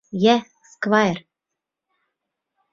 — Йә, сквайр!..